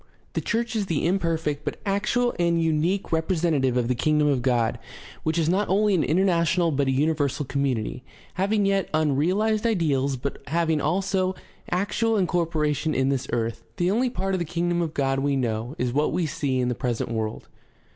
The church is the imperfect but actual and unique representa tive of the Kingdom of God, which is not only an international but a universal community, having yet unrealized ideals, but having also actual incorporation in this earth. The only part of the Kingdom of God we know is what we see in the present world.